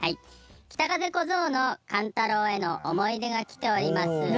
「北風小僧の寒太郎」への思い出が来ております。